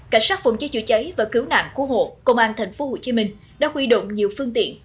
cảnh sát phòng chế chữa cháy và cứu nạn cứu hộ công an tp hcm đã huy động nhiều phương tiện